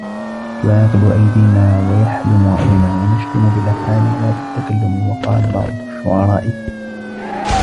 تُعَاقِبُ أَيْدِينَا وَيَحْلُمُ رَأْيُنَا وَنَشْتُمُ بِالْأَفْعَالِ لَا بِالتَّكَلُّمِ وَقَالَ بَعْضُ الشُّعَرَاءِ